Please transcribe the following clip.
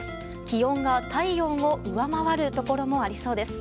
気温が、体温を上回るところもありそうです。